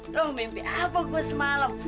loh mimpi apa gue semalam